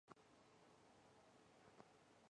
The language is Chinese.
我的计划是完美的工作。